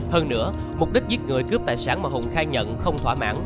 hơn nữa mục đích giết người cướp tài sản mà hùng khai nhận không thỏa mãn